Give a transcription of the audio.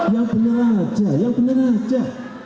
yang benar aja yang benar aja